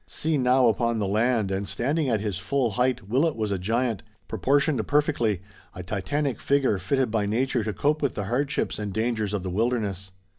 Seen now upon the land and standing at his full height Willet was a giant, proportioned perfectly, a titanic figure fitted by nature to cope with the hardships and dangers of the wilderness.